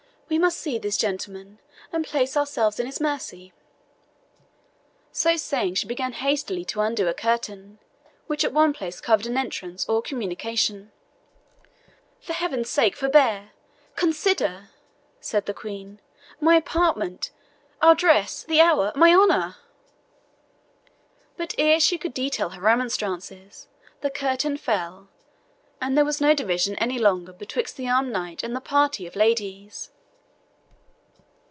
"We must see this gentleman and place ourselves in his mercy." So saying, she began hastily to undo a curtain, which at one place covered an entrance or communication. "For Heaven's sake, forbear consider," said the Queen "my apartment our dress the hour my honour!" But ere she could detail her remonstrances, the curtain fell, and there was no division any longer betwixt the armed knight and the party of ladies.